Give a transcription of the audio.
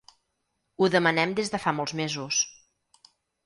Ho demanem des de fa molts mesos.